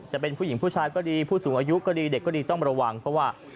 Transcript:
จะเป็นผู้หญิงผู้ชายก็ดีผู้สูงอายุก็ดีเด็กก็ดีต้องระวังเพราะว่า